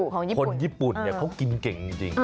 คนญี่ปุ่นเขากินเก่งจริง